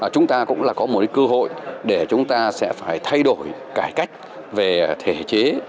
chúng ta cũng là có một cơ hội để chúng ta sẽ phải thay đổi cải cách về thể chế